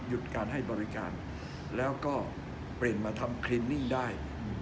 การให้บริการแล้วก็เปลี่ยนมาทำคลินิ่งได้